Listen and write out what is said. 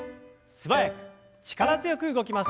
素早く力強く動きます。